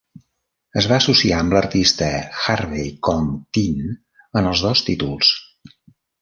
Es va associar amb l'artista Harvey Kong Tin en els dos títols.